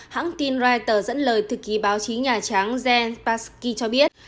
hãng tin reuters dẫn lời thực ký báo chí nhà trắng jen psaki cho biết